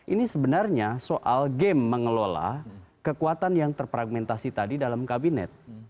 ini sebenarnya soal game mengelola kekuatan yang terpragmentasi tadi dalam kabinet